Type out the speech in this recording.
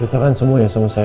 sintakan semua ya sama saya